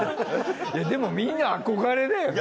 でもみんな憧れだよね。